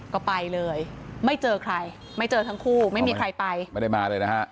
ก็ไปเลยไม่เจอใครไม่เจอทั้งคู่ไม่มีใครไปไม่ได้มาเลยนะฮะ